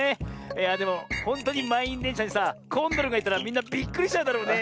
いやでもほんとうにまんいんでんしゃにさコンドルがいたらみんなびっくりしちゃうだろうね。